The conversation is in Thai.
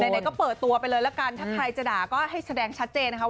ไหนก็เปิดตัวไปเลยละกันถ้าใครจะด่าก็ให้แสดงชัดเจนนะคะ